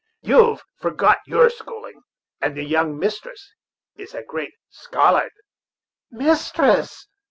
You've forgot your schooling, and the young mistress is a great scollard." "Mistress!"